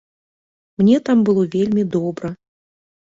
Мне там было вельмі добра.